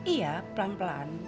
iya pelan pelan